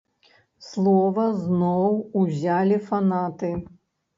Слова зноў узялі фанаты.